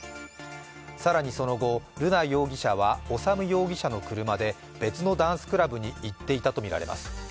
更にその後、瑠奈容疑者は修容疑者の車で別のダンスクラブに行っていたとみられます。